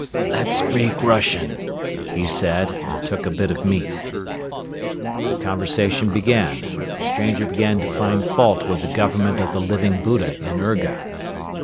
"Let's speak Russian," he said and took a bit of meat. The conversation began. The stranger began to find fault with the Government of the Living Buddha in Urga.